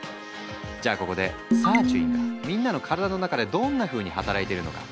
じゃあここでサーチュインがみんなの体の中でどんなふうに働いてるのか。